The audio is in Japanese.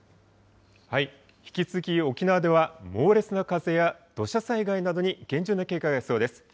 引き続き沖縄では猛烈な風や土砂災害などに厳重な警戒が必要です。